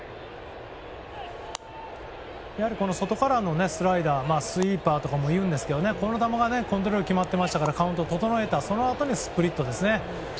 外からのスライダースイーパーとかも言うんですがこの球がコントロール良く決まってましたからカウントを整えたそのあとにスプリットですね。